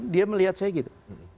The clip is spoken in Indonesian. dia melihat saya gitu